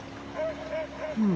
うん。